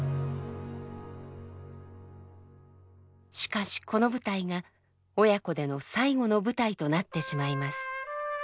しかしこの舞台が親子での最後の舞台となってしまいます。